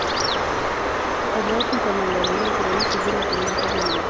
Obrar conforme a la ley natural es seguir la voluntad divina.